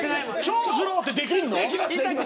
超スローってできるの。